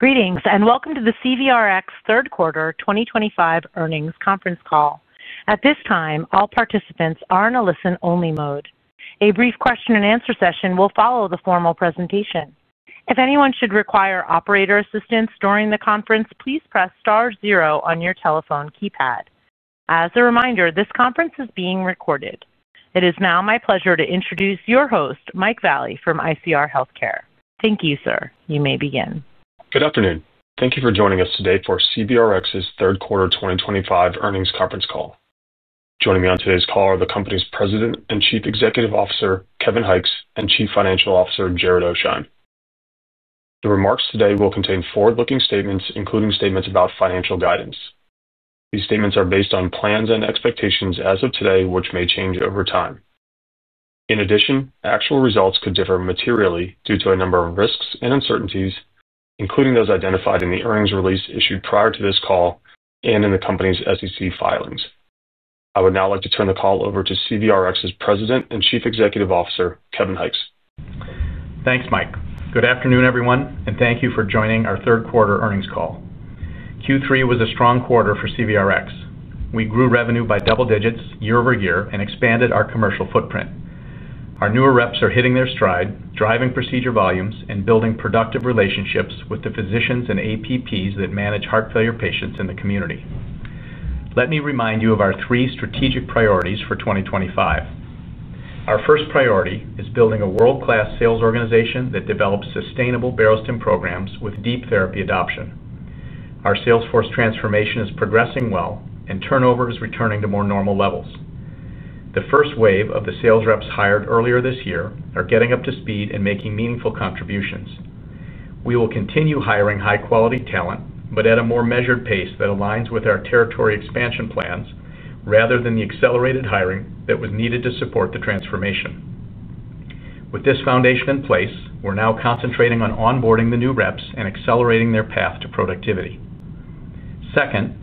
Greetings and welcome to the CVRx Third Quarter 2025 earnings conference call. At this time, all participants are in a listen-only mode. A brief question-and-answer session will follow the formal presentation. If anyone should require operator assistance during the conference, please press star zero on your telephone keypad. As a reminder, this conference is being recorded. It is now my pleasure to introduce your host, Mike Vallie, from ICR Healthcare. Thank you, sir. You may begin. Good afternoon. Thank you for joining us today for CVRx's Third Quarter 2025 Earnings Conference Call. Joining me on today's call are the company's President and Chief Executive Officer, Kevin Hykes, and Chief Financial Officer, Jared Oasheim. The remarks today will contain forward-looking statements, including statements about financial guidance. These statements are based on plans and expectations as of today, which may change over time. In addition, actual results could differ materially due to a number of risks and uncertainties, including those identified in the earnings release issued prior to this call and in the company's SEC filings. I would now like to turn the call over to CVRx's President and Chief Executive Officer, Kevin Hykes. Thanks, Mike. Good afternoon, everyone, and thank you for joining our third quarter earnings call. Q3 was a strong quarter for CVRx. We grew revenue by double digits year over year and expanded our commercial footprint. Our newer reps are hitting their stride, driving procedure volumes and building productive relationships with the physicians and APPs that manage heart failure patients in the community. Let me remind you of our three strategic priorities for 2025. Our first priority is building a world-class sales organization that develops sustainable Barostim programs with deep therapy adoption. Our sales force transformation is progressing well, and turnover is returning to more normal levels. The first wave of the sales reps hired earlier this year are getting up to speed and making meaningful contributions. We will continue hiring high-quality talent, but at a more measured pace that aligns with our territory expansion plans rather than the accelerated hiring that was needed to support the transformation. With this foundation in place, we're now concentrating on onboarding the new reps and accelerating their path to productivity. Second,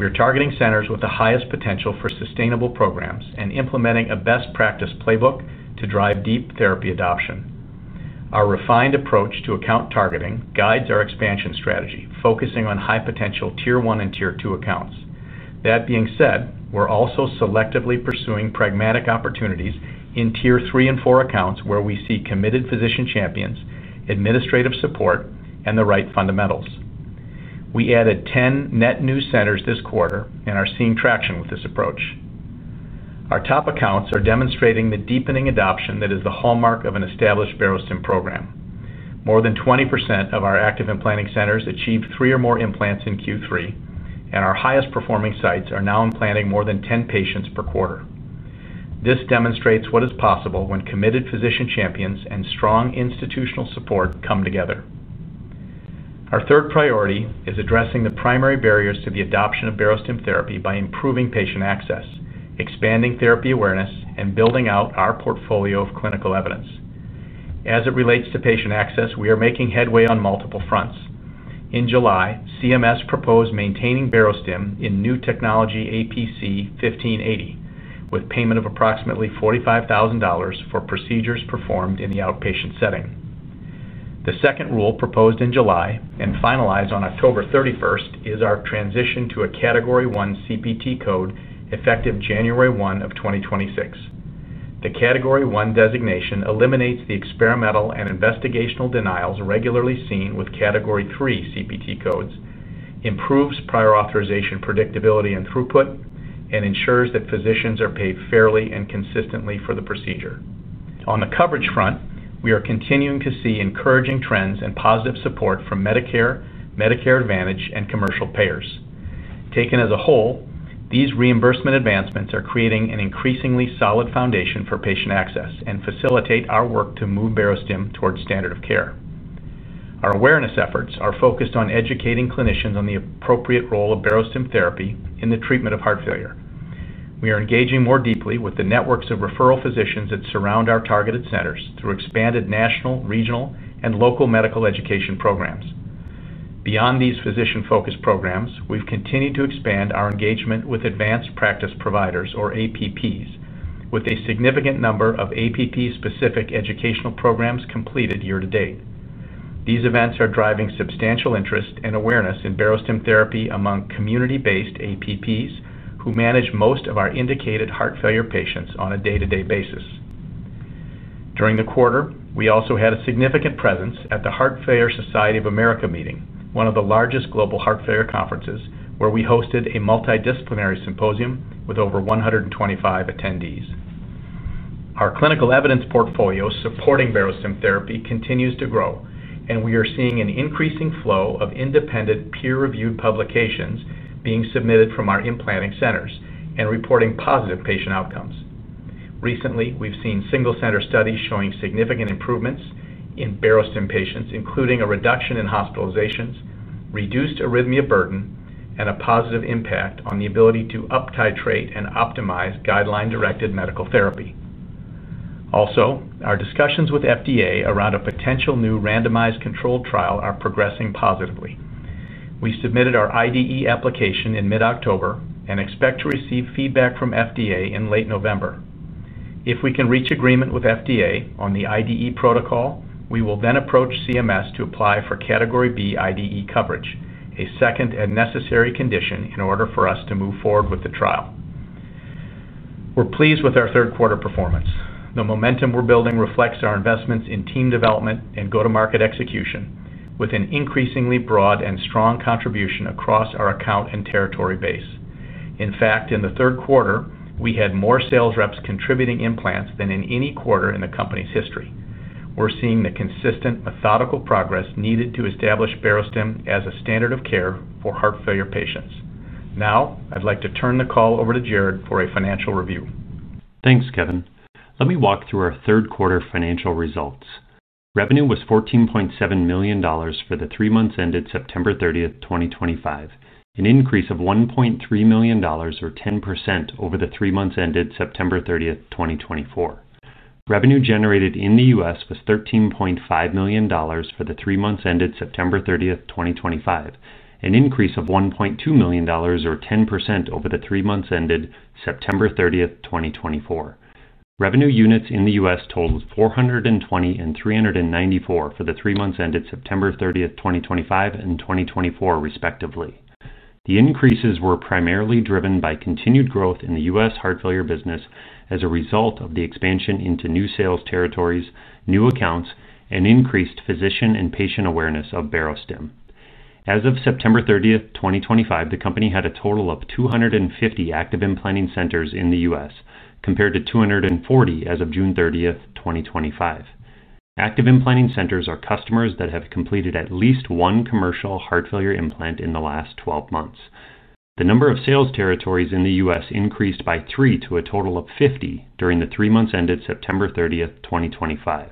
we're targeting centers with the highest potential for sustainable programs and implementing a best practice playbook to drive deep therapy adoption. Our refined approach to account targeting guides our expansion strategy, focusing on high-potential Tier One and Tier Two accounts. That being said, we're also selectively pursuing pragmatic opportunities in Tier Three and Four accounts where we see committed physician champions, administrative support, and the right fundamentals. We added 10 net new centers this quarter and are seeing traction with this approach. Our top accounts are demonstrating the deepening adoption that is the hallmark of an established Barostim program. More than 20% of our active implanting centers achieved three or more implants in Q3, and our highest-performing sites are now implanting more than 10 patients per quarter. This demonstrates what is possible when committed physician champions and strong institutional support come together. Our third priority is addressing the primary barriers to the adoption of Barostim therapy by improving patient access, expanding therapy awareness, and building out our portfolio of clinical evidence. As it relates to patient access, we are making headway on multiple fronts. In July, CMS proposed maintaining Barostim in new technology APC 1580, with payment of approximately $45,000 for procedures performed in the outpatient setting. The second rule proposed in July and finalized on October 31 is our transition to a Category One CPT code effective January 1 of 2026. The Category One designation eliminates the experimental and investigational denials regularly seen with Category Three CPT codes, improves prior authorization predictability and throughput, and ensures that physicians are paid fairly and consistently for the procedure. On the coverage front, we are continuing to see encouraging trends and positive support from Medicare, Medicare Advantage, and commercial payers. Taken as a whole, these reimbursement advancements are creating an increasingly solid foundation for patient access and facilitate our work to move Barostim towards standard of care. Our awareness efforts are focused on educating clinicians on the appropriate role of Barostim therapy in the treatment of heart failure. We are engaging more deeply with the networks of referral physicians that surround our targeted centers through expanded national, regional, and local medical education programs. Beyond these physician-focused programs, we've continued to expand our engagement with advanced practice providers, or APPs, with a significant number of APP-specific educational programs completed year to date. These events are driving substantial interest and awareness in Barostim therapy among community-based APPs who manage most of our indicated heart failure patients on a day-to-day basis. During the quarter, we also had a significant presence at the Heart Failure Society of America meeting, one of the largest global heart failure conferences, where we hosted a multidisciplinary symposium with over 125 attendees. Our clinical evidence portfolio supporting Barostim therapy continues to grow, and we are seeing an increasing flow of independent peer-reviewed publications being submitted from our implanting centers and reporting positive patient outcomes. Recently, we've seen single-center studies showing significant improvements in Barostim patients, including a reduction in hospitalizations, reduced arrhythmia burden, and a positive impact on the ability to up-titrate and optimize guideline-directed medical therapy. Also, our discussions with FDA around a potential new randomized controlled trial are progressing positively. We submitted our IDE application in mid-October and expect to receive feedback from FDA in late November. If we can reach agreement with FDA on the IDE protocol, we will then approach CMS to apply for Category B IDE coverage, a second and necessary condition in order for us to move forward with the trial. We're pleased with our third-quarter performance. The momentum we're building reflects our investments in team development and go-to-market execution, with an increasingly broad and strong contribution across our account and territory base. In fact, in the third quarter, we had more sales reps contributing implants than in any quarter in the company's history. We're seeing the consistent methodical progress needed to establish Barostim as a standard of care for heart failure patients. Now, I'd like to turn the call over to Jared for a financial review. Thanks, Kevin. Let me walk through our third-quarter financial results. Revenue was $14.7 million for the three months ended September 30, 2025, an increase of $1.3 million, or 10%, over the three months ended September 30, 2024. Revenue generated in the U.S. was $13.5 million for the three months ended September 30, 2025, an increase of $1.2 million, or 10%, over the three months ended September 30, 2024. Revenue units in the U.S. totaled 420 and 394 for the three months ended September 30, 2025, and 2024, respectively. The increases were primarily driven by continued growth in the U.S. heart failure business as a result of the expansion into new sales territories, new accounts, and increased physician and patient awareness of Barostim. As of September 30, 2025, the company had a total of 250 active implanting centers in the U.S., compared to 240 as of June 30, 2025. Active implanting centers are customers that have completed at least one commercial heart failure implant in the last 12 months. The number of sales territories in the US increased by three to a total of 50 during the three months ended September 30, 2025.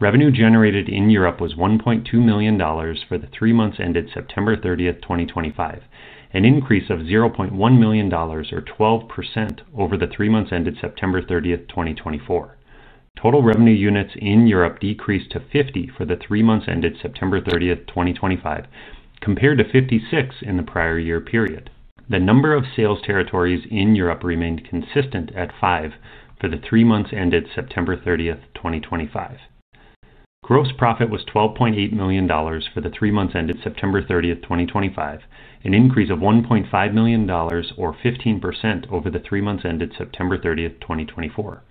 Revenue generated in Europe was $1.2 million for the three months ended September 30, 2025, an increase of $0.1 million, or 12%, over the three months ended September 30, 2024. Total revenue units in Europe decreased to 50 for the three months ended September 30, 2025, compared to 56 in the prior year period. The number of sales territories in Europe remained consistent at five for the three months ended September 30, 2025. Gross profit was $12.8 million for the three months ended September 30, 2025, an increase of $1.5 million, or 15%, over the three months ended September 30, 2024.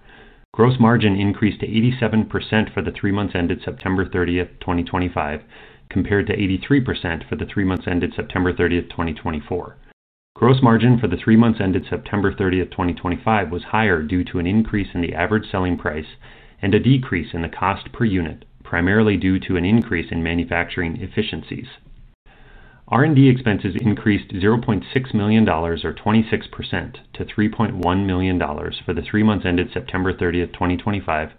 Gross margin increased to 87% for the three months ended September 30, 2025, compared to 83% for the three months ended September 30, 2024. Gross margin for the three months ended September 30, 2025, was higher due to an increase in the average selling price and a decrease in the cost per unit, primarily due to an increase in manufacturing efficiencies. R&D expenses increased $0.6 million, or 26%, to $3.1 million for the three months ended September 30, 2025,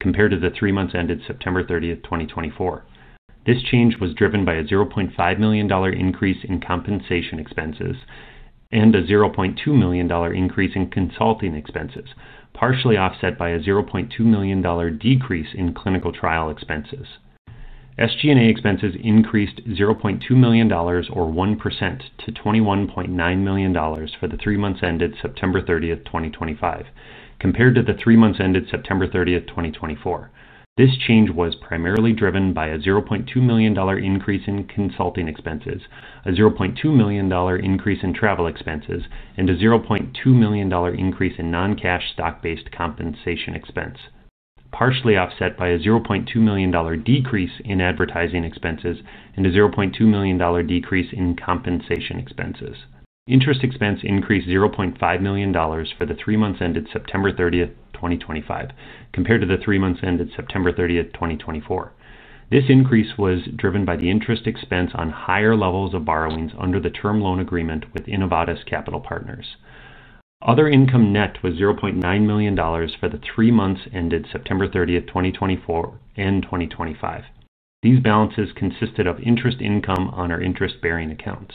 compared to the three months ended September 30, 2024. This change was driven by a $0.5 million increase in compensation expenses and a $0.2 million increase in consulting expenses, partially offset by a $0.2 million decrease in clinical trial expenses. SG&A expenses increased $0.2 million, or 1%, to $21.9 million for the three months ended September 30, 2025, compared to the three months ended September 30, 2024. This change was primarily driven by a $0.2 million increase in consulting expenses, a $0.2 million increase in travel expenses, and a $0.2 million increase in non-cash stock-based compensation expense, partially offset by a $0.2 million decrease in advertising expenses and a $0.2 million decrease in compensation expenses. Interest expense increased $0.5 million for the three months ended September 30, 2025, compared to the three months ended September 30, 2024. This increase was driven by the interest expense on higher levels of borrowings under the term loan agreement with Innovatus Capital Partners. Other income net was $0.9 million for the three months ended September 30, 2024, and 2025. These balances consisted of interest income on our interest-bearing accounts.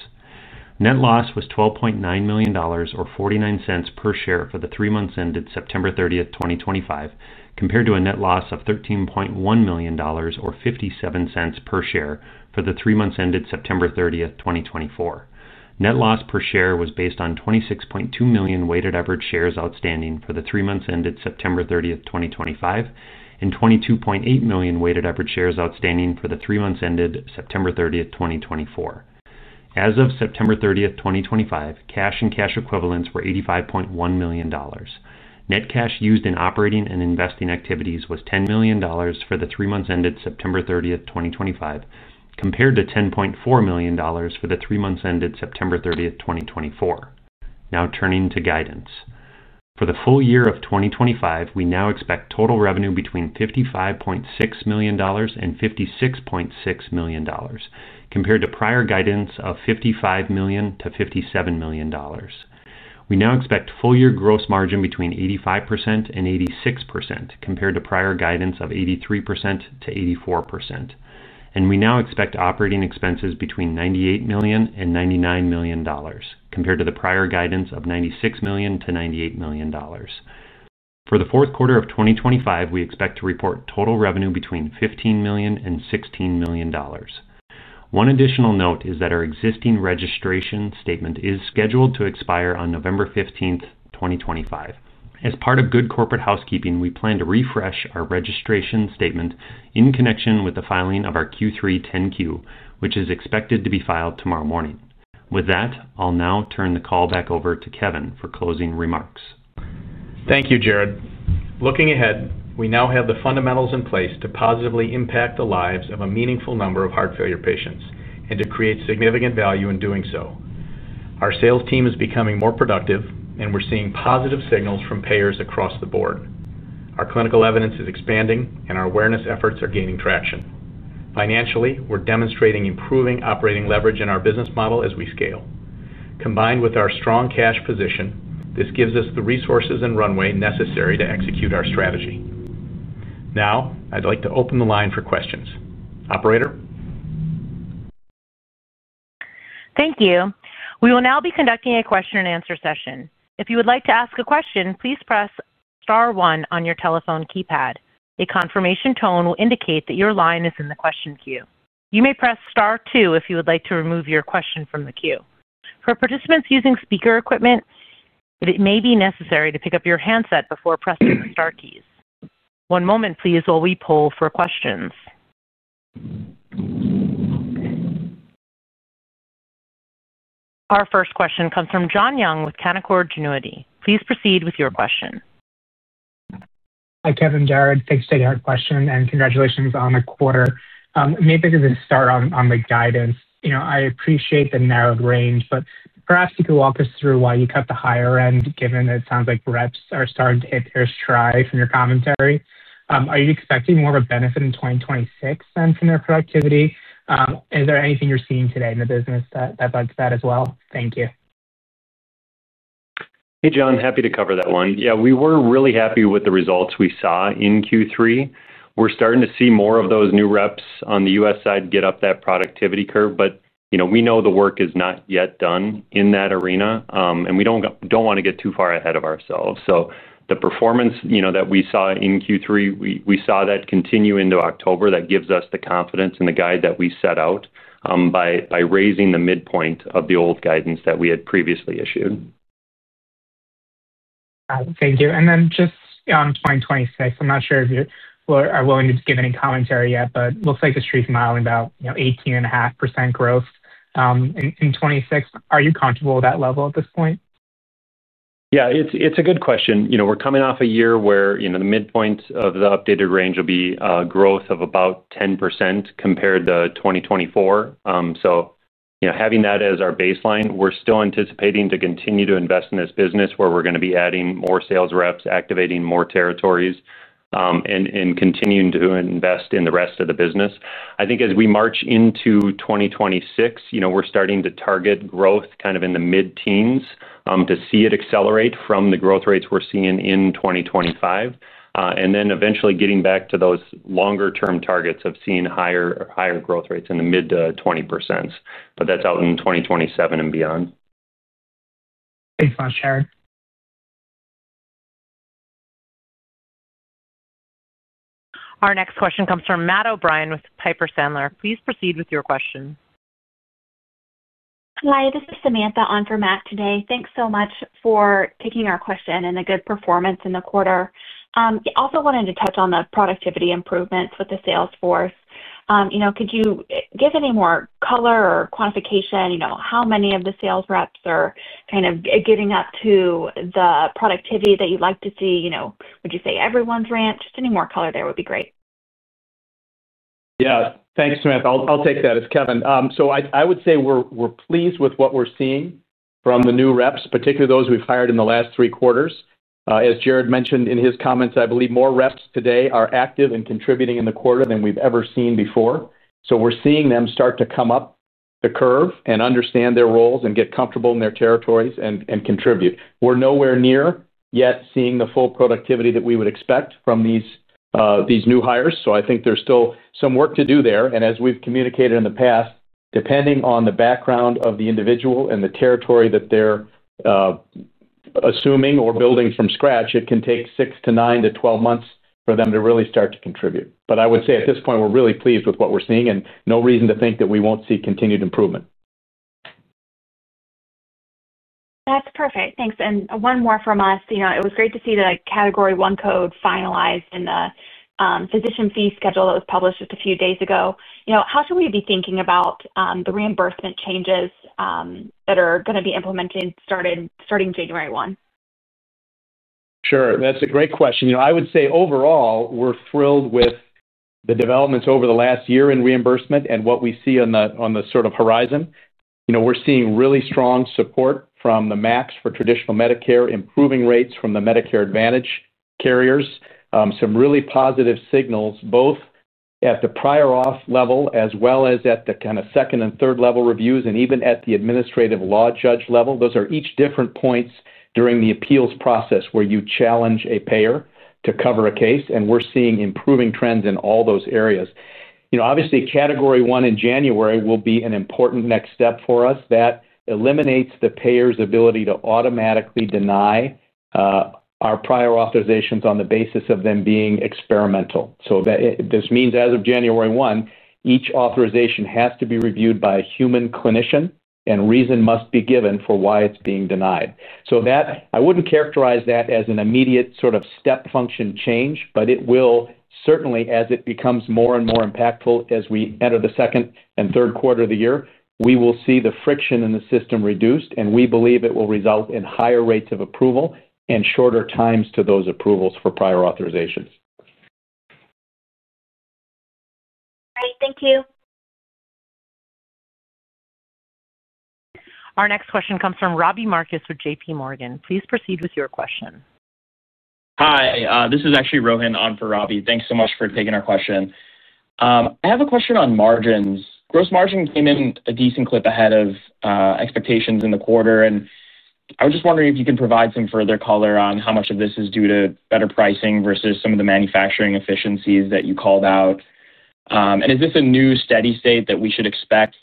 Net loss was $12.9 million, or $0.49 per share for the three months ended September 30, 2025, compared to a net loss of $13.1 million, or $0.57 per share for the three months ended September 30, 2024. Net loss per share was based on 26.2 million weighted average shares outstanding for the three months ended September 30, 2025, and 22.8 million weighted average shares outstanding for the three months ended September 30, 2024. As of September 30, 2025, cash and cash equivalents were $85.1 million. Net cash used in operating and investing activities was $10 million for the three months ended September 30, 2025, compared to $10.4 million for the three months ended September 30, 2024. Now, turning to guidance. For the full year of 2025, we now expect total revenue between $55.6 million and $56.6 million, compared to prior guidance of $55 million–$57 million. We now expect full-year gross margin between 85%–86%, compared to prior guidance of 83%–84%. We now expect operating expenses between $98 million-$99 million, compared to the prior guidance of $96 million–$98 million. For the fourth quarter of 2025, we expect to report total revenue between $15 million and $16 million. One additional note is that our existing registration statement is scheduled to expire on November 15th, 2025. As part of good corporate housekeeping, we plan to refresh our registration statement in connection with the filing of our Q3 10Q, which is expected to be filed tomorrow morning. With that, I'll now turn the call back over to Kevin for closing remarks. Thank you, Jared. Looking ahead, we now have the fundamentals in place to positively impact the lives of a meaningful number of heart failure patients and to create significant value in doing so. Our sales team is becoming more productive, and we're seeing positive signals from payers across the board. Our clinical evidence is expanding, and our awareness efforts are gaining traction. Financially, we're demonstrating improving operating leverage in our business model as we scale. Combined with our strong cash position, this gives us the resources and runway necessary to execute our strategy. Now, I'd like to open the line for questions. Operator? Thank you. We will now be conducting a question-and-answer session. If you would like to ask a question, please press star one on your telephone keypad. A confirmation tone will indicate that your line is in the question queue. You may press star two if you would like to remove your question from the queue. For participants using speaker equipment, it may be necessary to pick up your handset before pressing the star keys. One moment, please, while we poll for questions. Our first question comes from John Young with Canaccord Genuity. Please proceed with your question. Hi, Kevin, Jared. Thanks for the hard question, and congratulations on the quarter. Maybe to start on the guidance, I appreciate the narrowed range, but perhaps you could walk us through why you cut the higher end, given that it sounds like reps are starting to hit their stride from your commentary. Are you expecting more of a benefit in 2026 than from their productivity? Is there anything you're seeing today in the business that's like that as well? Thank you. Hey, John. Happy to cover that one. Yeah, we were really happy with the results we saw in Q3. We're starting to see more of those new reps on the US side get up that productivity curve, but we know the work is not yet done in that arena, and we don't want to get too far ahead of ourselves. The performance that we saw in Q3, we saw that continue into October. That gives us the confidence and the guide that we set out by raising the midpoint of the old guidance that we had previously issued. Thank you. And then just on 2026, I'm not sure if you are willing to give any commentary yet, but it looks like the street's modeling about 18.5% growth in 2026. Are you comfortable with that level at this point? Yeah, it's a good question. We're coming off a year where the midpoint of the updated range will be a growth of about 10% compared to 2024. Having that as our baseline, we're still anticipating to continue to invest in this business where we're going to be adding more sales reps, activating more territories, and continuing to invest in the rest of the business. I think as we march into 2026, we're starting to target growth kind of in the mid-teens to see it accelerate from the growth rates we're seeing in 2025. Eventually getting back to those longer-term targets of seeing higher growth rates in the mid-20% range, but that's out in 2027 and beyond. Thanks so much, Jared. Our next question comes from Matt O'Brien with Piper Sandler. Please proceed with your question. Hi, this is Samantha on for Matt today. Thanks so much for taking our question and the good performance in the quarter. I also wanted to touch on the productivity improvements with the Salesforce. Could you give any more color or quantification? How many of the sales reps are kind of giving up to the productivity that you'd like to see? Would you say everyone's ramped? Just any more color there would be great. Yeah, thanks, Samantha. I'll take that as Kevin. I would say we're pleased with what we're seeing from the new reps, particularly those we've hired in the last three quarters. As Jared mentioned in his comments, I believe more reps today are active and contributing in the quarter than we've ever seen before. We're seeing them start to come up the curve and understand their roles and get comfortable in their territories and contribute. We're nowhere near yet seeing the full productivity that we would expect from these new hires. I think there's still some work to do there. As we've communicated in the past, depending on the background of the individual and the territory that they're assuming or building from scratch, it can take 6–9–12 months for them to really start to contribute. I would say at this point, we're really pleased with what we're seeing and no reason to think that we won't see continued improvement. That's perfect. Thanks. One more from us. It was great to see the Category One code finalized in the Physician Fee Schedule that was published just a few days ago. How should we be thinking about the reimbursement changes that are going to be implemented starting January 1? Sure. That's a great question. I would say overall, we're thrilled with the developments over the last year in reimbursement and what we see on the sort of horizon. We're seeing really strong support from the MACs for traditional Medicare, improving rates from the Medicare Advantage carriers, some really positive signals both at the prior auth level as well as at the kind of second and third level reviews and even at the administrative law judge level. Those are each different points during the appeals process where you challenge a payer to cover a case. We're seeing improving trends in all those areas. Obviously, Category One in January will be an important next step for us. That eliminates the payer's ability to automatically deny our prior authorizations on the basis of them being experimental. This means as of January One, each authorization has to be reviewed by a human clinician, and reason must be given for why it's being denied. I wouldn't characterize that as an immediate sort of step function change, but it will certainly, as it becomes more and more impactful as we enter the second and third quarter of the year, we will see the friction in the system reduced, and we believe it will result in higher rates of approval and shorter times to those approvals for prior authorizations. Great. Thank you. Our next question comes from Robbie Marcus with JPMorgan. Please proceed with your question. Hi. This is actually Rohan on for Robbie. Thanks so much for taking our question. I have a question on margins. Gross margin came in a decent clip ahead of expectations in the quarter, and I was just wondering if you could provide some further color on how much of this is due to better pricing versus some of the manufacturing efficiencies that you called out. Is this a new steady state that we should expect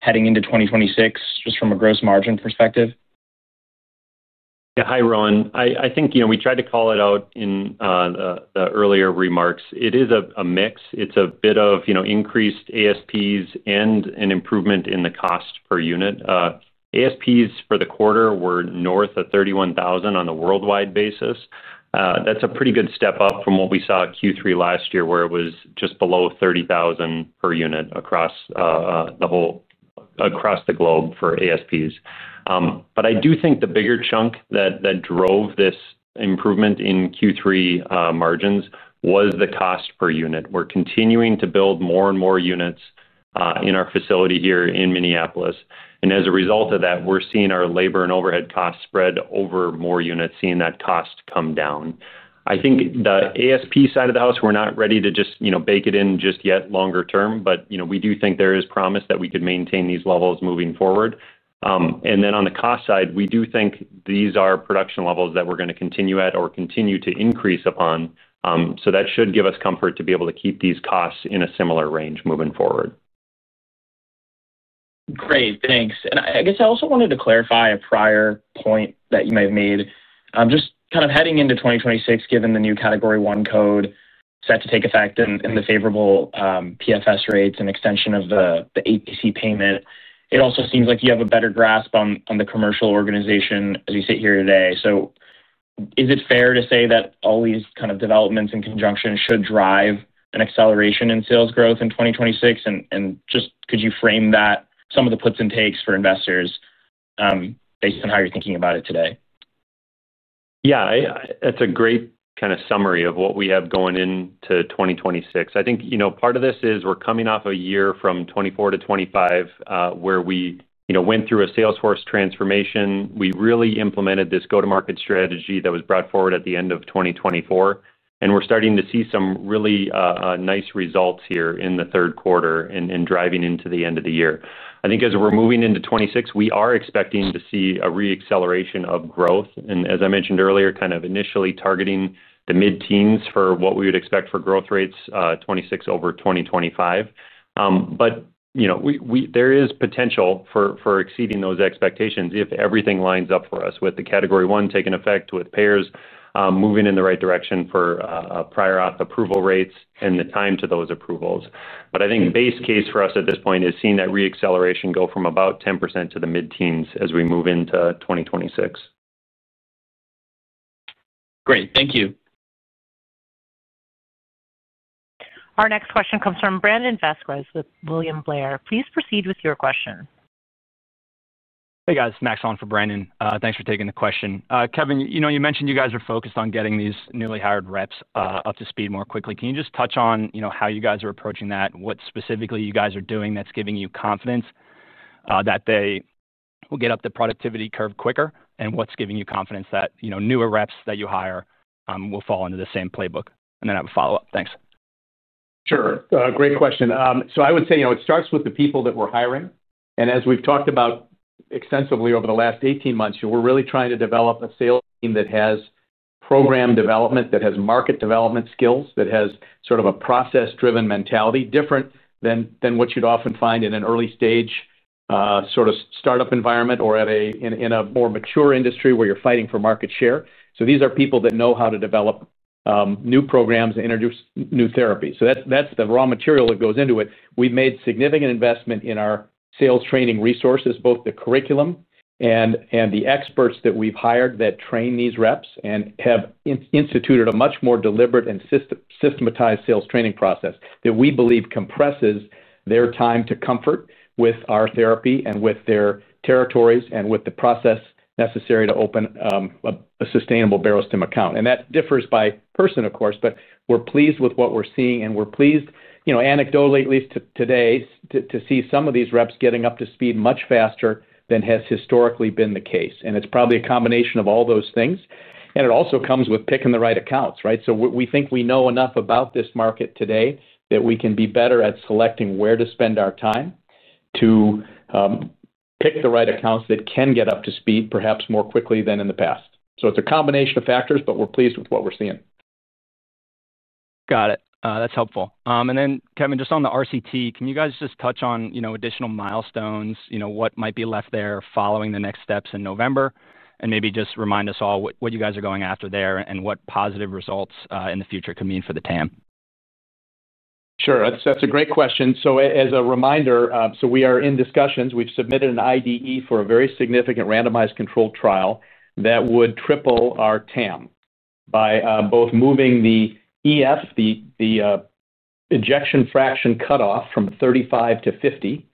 heading into 2026 just from a gross margin perspective? Yeah. Hi, Rohan. I think we tried to call it out in the earlier remarks. It is a mix. It is a bit of increased ASPs and an improvement in the cost per unit. ASPs for the quarter were north of $31,000 on a worldwide basis. That is a pretty good step up from what we saw Q3 last year, where it was just below $30,000 per unit across the whole globe for ASPs. I do think the bigger chunk that drove this improvement in Q3 margins was the cost per unit. We are continuing to build more and more units in our facility here in Minneapolis. As a result of that, we are seeing our labor and overhead cost spread over more units, seeing that cost come down. I think the ASP side of the house, we're not ready to just bake it in just yet longer term, but we do think there is promise that we could maintain these levels moving forward. On the cost side, we do think these are production levels that we're going to continue at or continue to increase upon. That should give us comfort to be able to keep these costs in a similar range moving forward. Great. Thanks. I guess I also wanted to clarify a prior point that you may have made. Just kind of heading into 2026, given the new Category One CPT code set to take effect and the favorable PFS rates and extension of the APC payment, it also seems like you have a better grasp on the commercial organization as you sit here today. Is it fair to say that all these kind of developments in conjunction should drive an acceleration in sales growth in 2026? Could you frame that, some of the puts and takes for investors, based on how you're thinking about it today? Yeah. That's a great kind of summary of what we have going into 2026. I think part of this is we're coming off a year from 2024–2025 where we went through a Salesforce transformation. We really implemented this go-to-market strategy that was brought forward at the end of 2024. We're starting to see some really nice results here in the third quarter and driving into the end of the year. I think as we're moving into 2026, we are expecting to see a re-acceleration of growth. As I mentioned earlier, kind of initially targeting the mid-teens for what we would expect for growth rates 2026 over 2025. There is potential for exceeding those expectations if everything lines up for us with the Category One taking effect, with payers moving in the right direction for prior auth approval rates and the time to those approvals. I think the base case for us at this point is seeing that re-acceleration go from about 10% to the mid-teens as we move into 2026. Great. Thank you. Our next question comes from Brandon Vazquez with William Blair. Please proceed with your question. Hey, guys. Max O'Brien for Brandon. Thanks for taking the question. Kevin, you mentioned you guys are focused on getting these newly hired reps up to speed more quickly. Can you just touch on how you guys are approaching that? What specifically you guys are doing that's giving you confidence that they will get up the productivity curve quicker? What's giving you confidence that newer reps that you hire will fall into the same playbook? I have a follow-up. Thanks. Sure. Great question. I would say it starts with the people that we're hiring. As we've talked about extensively over the last 18 months, we're really trying to develop a sales team that has program development, that has market development skills, that has sort of a process-driven mentality different than what you'd often find in an early-stage sort of startup environment or in a more mature industry where you're fighting for market share. These are people that know how to develop new programs and introduce new therapies. That's the raw material that goes into it. We've made significant investment in our sales training resources, both the curriculum and the experts that we've hired that train these reps and have instituted a much more deliberate and systematized sales training process that we believe compresses their time to comfort with our therapy and with their territories and with the process necessary to open a sustainable Barostim account. That differs by person, of course, but we're pleased with what we're seeing, and we're pleased, anecdotally at least today, to see some of these reps getting up to speed much faster than has historically been the case. It's probably a combination of all those things. It also comes with picking the right accounts, right? We think we know enough about this market today that we can be better at selecting where to spend our time too. Pick the right accounts that can get up to speed perhaps more quickly than in the past. It is a combination of factors, but we're pleased with what we're seeing. Got it. That's helpful. Kevin, just on the RCT, can you guys just touch on additional milestones, what might be left there following the next steps in November? Maybe just remind us all what you guys are going after there and what positive results in the future can mean for the TAM? Sure. That's a great question. As a reminder, we are in discussions. We've submitted an IDE for a very significant randomized controlled trial that would triple our TAM by both moving the EF, the ejection fraction cutoff, from 35%–50%,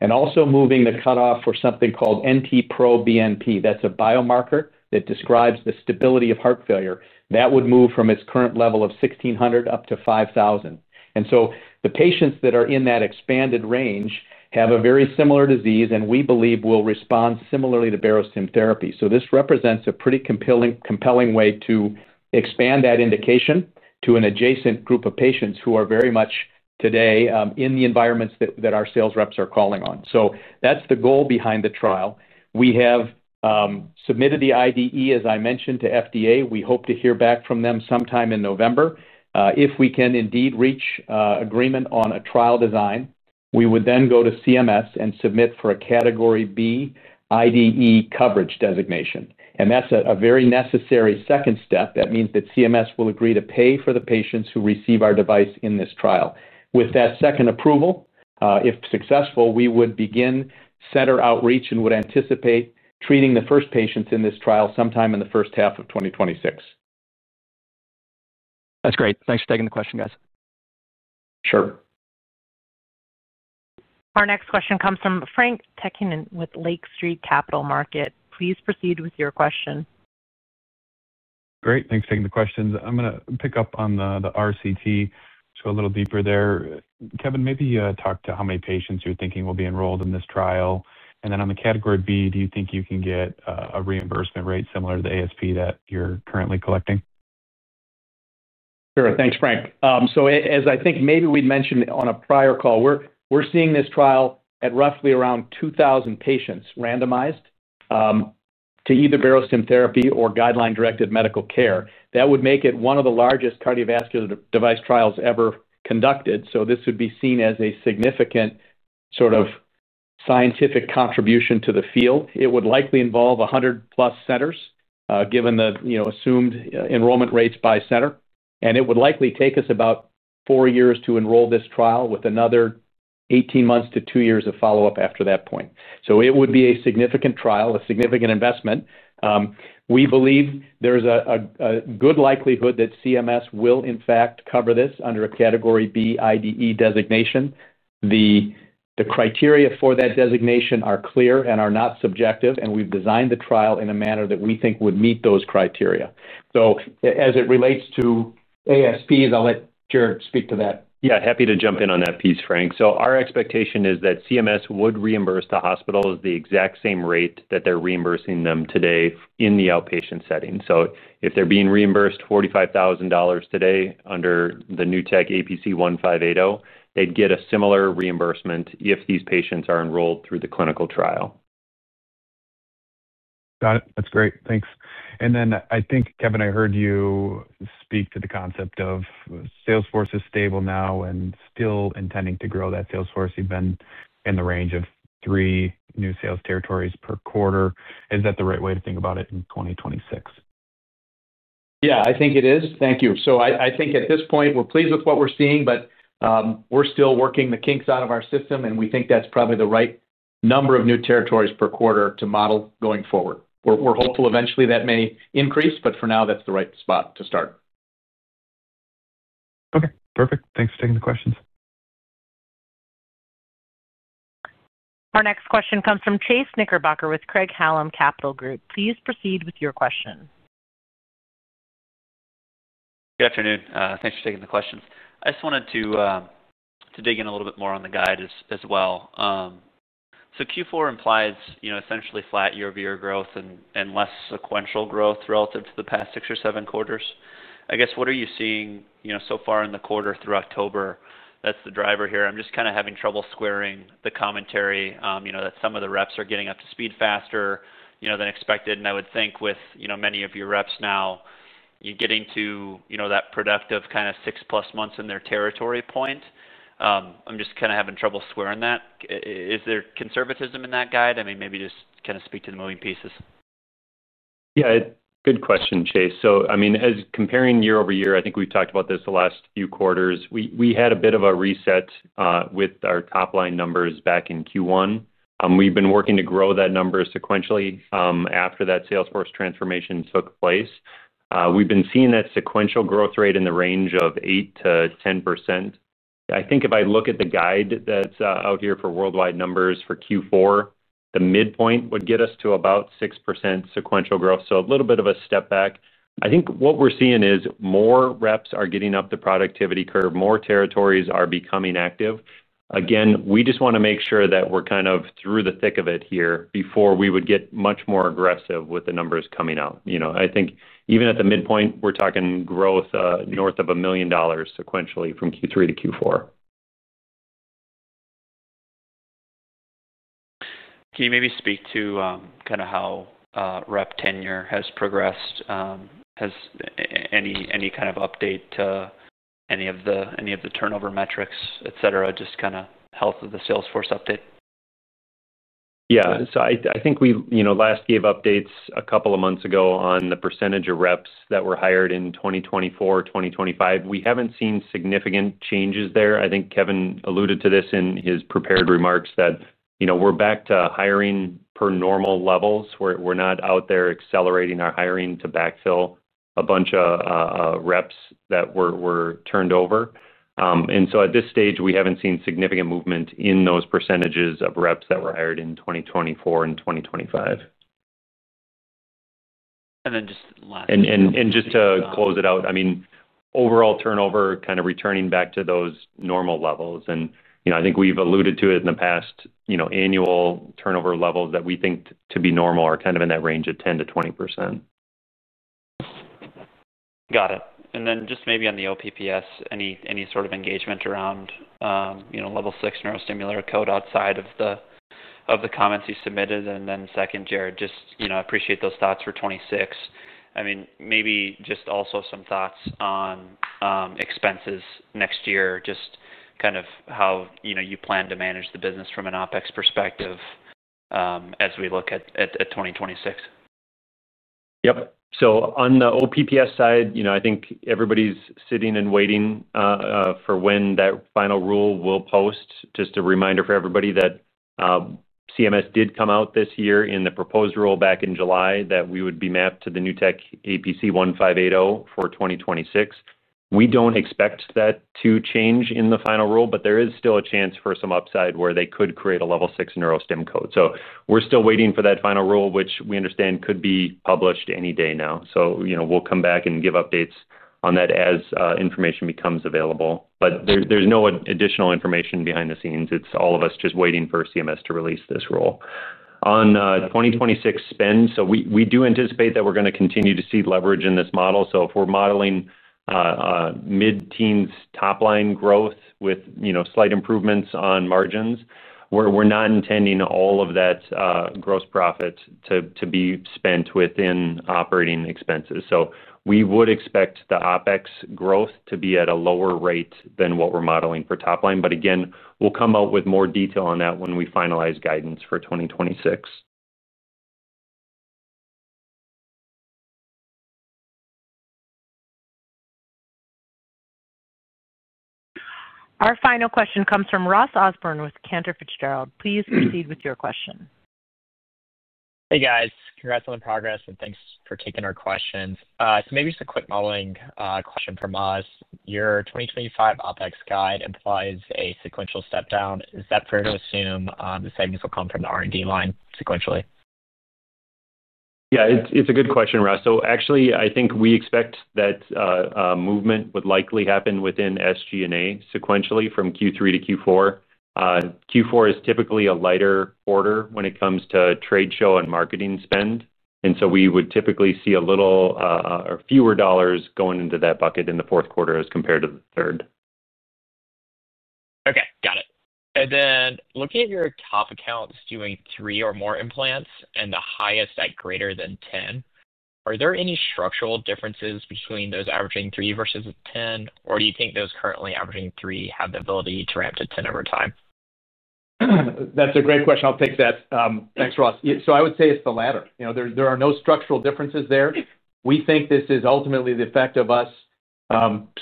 and also moving the cutoff for something called NT-ProBNP. That's a biomarker that describes the stability of heart failure that would move from its current level of 1,600 up to 5,000. The patients that are in that expanded range have a very similar disease and we believe will respond similarly to Barostim therapy. This represents a pretty compelling way to expand that indication to an adjacent group of patients who are very much today in the environments that our sales reps are calling on. That's the goal behind the trial. We have submitted the IDE, as I mentioned, to FDA. We hope to hear back from them sometime in November. If we can indeed reach agreement on a trial design, we would then go to CMS and submit for a Category B IDE coverage designation. That is a very necessary second step. That means that CMS will agree to pay for the patients who receive our device in this trial. With that second approval, if successful, we would begin center outreach and would anticipate treating the first patients in this trial sometime in the first half of 2026. That's great. Thanks for taking the question, guys. Sure. Our next question comes from Frank Takkinen with Lake Street Capital Markets. Please proceed with your question. Great. Thanks for taking the questions. I'm going to pick up on the RCT, so a little deeper there. Kevin, maybe talk to how many patients you're thinking will be enrolled in this trial. And then on the Category B, do you think you can get a reimbursement rate similar to the ASP that you're currently collecting? Sure. Thanks, Frank. As I think maybe we'd mentioned on a prior call, we're seeing this trial at roughly around 2,000 patients randomized to either Barostim therapy or guideline-directed medical care. That would make it one of the largest cardiovascular device trials ever conducted. This would be seen as a significant sort of scientific contribution to the field. It would likely involve 100+ centers given the assumed enrollment rates by center. It would likely take us about four years to enroll this trial with another 18 months to two years of follow-up after that point. It would be a significant trial, a significant investment. We believe there's a good likelihood that CMS will, in fact, cover this under a Category B IDE designation. The criteria for that designation are clear and are not subjective, and we've designed the trial in a manner that we think would meet those criteria. As it relates to ASPs, I'll let Jared speak to that. Yeah. Happy to jump in on that piece, Frank. Our expectation is that CMS would reimburse the hospitals the exact same rate that they're reimbursing them today in the outpatient setting. If they're being reimbursed $45,000 today under the new tech APC 1580, they'd get a similar reimbursement if these patients are enrolled through the clinical trial. Got it. That's great. Thanks. I think, Kevin, I heard you speak to the concept of Salesforce is stable now and still intending to grow that Salesforce. You've been in the range of three new sales territories per quarter. Is that the right way to think about it in 2026? Yeah, I think it is. Thank you. I think at this point, we're pleased with what we're seeing, but we're still working the kinks out of our system, and we think that's probably the right number of new territories per quarter to model going forward. We're hopeful eventually that may increase, but for now, that's the right spot to start. Okay. Perfect. Thanks for taking the questions. Our next question comes from Chase Knickerbocker with Craig-Hallum Capital Group. Please proceed with your question. Good afternoon. Thanks for taking the questions. I just wanted to dig in a little bit more on the guide as well. Q4 implies essentially flat year-over-year growth and less sequential growth relative to the past six or seven quarters. I guess, what are you seeing so far in the quarter through October that's the driver here? I'm just kind of having trouble squaring the commentary that some of the reps are getting up to speed faster than expected. I would think with many of your reps now getting to that productive kind of six-plus months in their territory point. I'm just kind of having trouble squaring that. Is there conservatism in that guide? I mean, maybe just kind of speak to the moving pieces. Yeah. Good question, Chase. I mean, as comparing year-over-year, I think we've talked about this the last few quarters. We had a bit of a reset with our top-line numbers back in Q1. We've been working to grow that number sequentially after that Salesforce transformation took place. We've been seeing that sequential growth rate in the range of 8-10%. I think if I look at the guide that's out here for worldwide numbers for Q4, the midpoint would get us to about 6% sequential growth. A little bit of a step back. I think what we're seeing is more reps are getting up the productivity curve, more territories are becoming active. Again, we just want to make sure that we're kind of through the thick of it here before we would get much more aggressive with the numbers coming out. I think even at the midpoint, we're talking growth north of $1 million sequentially from Q3 to Q4. Can you maybe speak to kind of how rep tenure has progressed? Any kind of update to any of the turnover metrics, et cetera, just kind of health of the Salesforce update? Yeah. I think we last gave updates a couple of months ago on the percentage of reps that were hired in 2024, 2025. We have not seen significant changes there. I think Kevin alluded to this in his prepared remarks that we are back to hiring per normal levels. We are not out there accelerating our hiring to backfill a bunch of reps that were turned over. At this stage, we have not seen significant movement in those percentages of reps that were hired in 2024 and 2025. Just last. Just to close it out, I mean, overall turnover, kind of returning back to those normal levels. I think we've alluded to it in the past. Annual turnover levels that we think to be normal are kind of in that range of 10–20%. Got it. Just maybe on the OPPS, any sort of engagement around Level Six Neurostimulator Code outside of the comments you submitted? Second, Jared, just appreciate those thoughts for 2026. I mean, maybe just also some thoughts on expenses next year, just kind of how you plan to manage the business from an OpEx perspective as we look at 2026. Yep. On the OPPS side, I think everybody's sitting and waiting for when that final rule will post. Just a reminder for everybody that CMS did come out this year in the proposed rule back in July that we would be mapped to the new tech APC 1580 for 2026. We don't expect that to change in the final rule, but there is still a chance for some upside where they could create a Level Six Neurostim Code. We're still waiting for that final rule, which we understand could be published any day now. We'll come back and give updates on that as information becomes available. There's no additional information behind the scenes. It's all of us just waiting for CMS to release this rule. On 2026 spend, we do anticipate that we're going to continue to see leverage in this model. If we're modeling mid-teens top-line growth with slight improvements on margins, we're not intending all of that gross profit to be spent within operating expenses. We would expect the OPEX growth to be at a lower rate than what we're modeling for top line. Again, we'll come out with more detail on that when we finalize guidance for 2026. Our final question comes from Ross Osborne with Cantor Fitzgerald. Please proceed with your question. Hey, guys. Congrats on the progress, and thanks for taking our questions. Maybe just a quick modeling question from us. Your 2025 OpEx guide implies a sequential step down. Is that fair to assume the savings will come from the R&D line sequentially? Yeah, it's a good question, Ross. So actually, I think we expect that. Movement would likely happen within SG&A sequentially from Q3–Q4. Q4 is typically a lighter order when it comes to trade show and marketing spend. And so we would typically see a little or fewer dollars going into that bucket in the fourth quarter as compared to the third. Okay. Got it. Then looking at your top accounts doing three or more implants and the highest at greater than 10, are there any structural differences between those averaging three versus 10, or do you think those currently averaging three have the ability to ramp to 10 over time? That's a great question. I'll take that. Thanks, Ross. I would say it's the latter. There are no structural differences there. We think this is ultimately the effect of us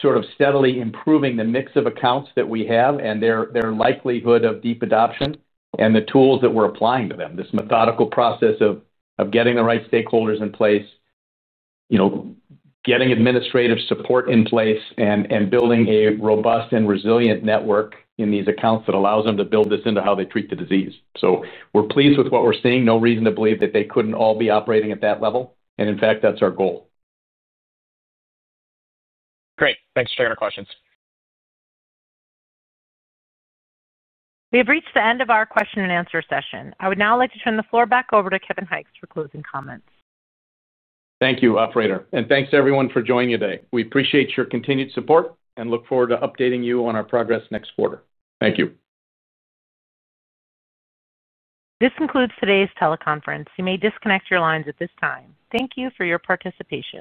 sort of steadily improving the mix of accounts that we have and their likelihood of deep adoption and the tools that we're applying to them, this methodical process of getting the right stakeholders in place, getting administrative support in place, and building a robust and resilient network in these accounts that allows them to build this into how they treat the disease. We're pleased with what we're seeing. No reason to believe that they couldn't all be operating at that level. In fact, that's our goal. Great. Thanks for taking our questions. We've reached the end of our question and answer session. I would now like to turn the floor back over to Kevin Hykes for closing comments. Thank you, Operator. And thanks to everyone for joining today. We appreciate your continued support and look forward to updating you on our progress next quarter. Thank you. This concludes today's teleconference. You may disconnect your lines at this time. Thank you for your participation.